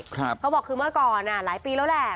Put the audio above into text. เขาบอกคือเมื่อก่อนหลายปีแล้วแหละ